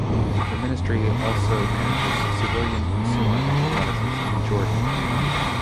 The ministry also manages civilian consumer enterprises in Jordan.